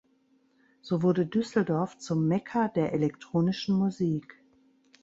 So wurde Düsseldorf zum Mekka der elektronischen Musik.